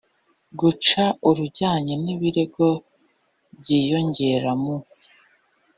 guca urujyanye n ibirego by inyongera mu